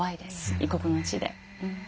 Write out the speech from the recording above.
異国の地で。